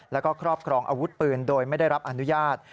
แล้วก็ครอบครองอาวุธปืนโดยไม่ได้รับอนุญาต